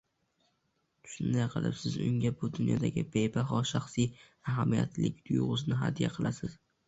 Shunday qilib siz unga bu dunyodagi bebaho shaxsiy ahamiyatlilik tuyg‘usini hadya qilasiz.